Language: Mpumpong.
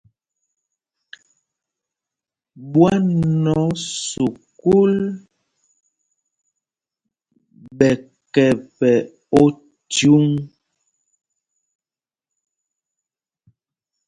Ɓwán o sukûl ɓɛ kɛpɛ óthyǔŋ?